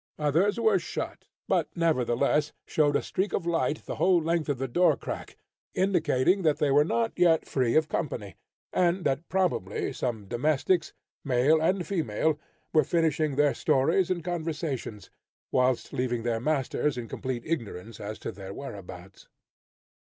Others were shut, but, nevertheless, showed a streak of light the whole length of the door crack, indicating that they were not yet free of company, and that probably some domestics, male and female, were finishing their stories and conversations, whilst leaving their masters in complete ignorance as to their whereabouts.